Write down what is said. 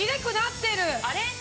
あれ？